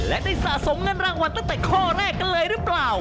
และได้สะสมเงินรางวัลตั้งแต่ข้อแรกกันเลยหรือเปล่า